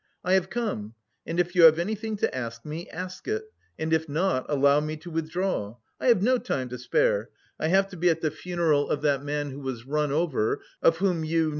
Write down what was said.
"I have come and if you have anything to ask me, ask it, and if not, allow me to withdraw. I have no time to spare.... I have to be at the funeral of that man who was run over, of whom you...